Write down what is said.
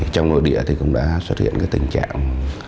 trong nội địa thì cũng đã xuất hiện tình trạng